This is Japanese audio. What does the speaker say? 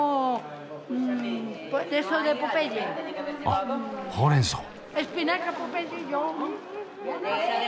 あ「ほうれんそう」？